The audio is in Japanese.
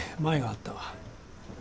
前があったわ。